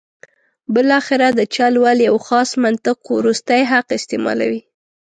بالاخره د چل ول یو خاص منطق وروستی حق استعمالوي.